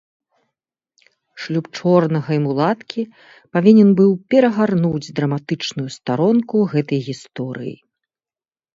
Шлюб чорнага і мулаткі павінен быў перагарнуць драматычную старонку гэтай гісторыі.